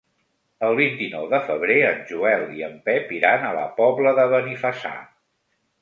El vint-i-nou de febrer en Joel i en Pep iran a la Pobla de Benifassà.